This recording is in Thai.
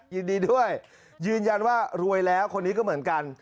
ยินดีด้วยยืนยันว่ารวยแล้วคนนี้ก็เหมือนกัน